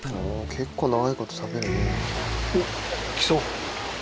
結構長いこと食べるね。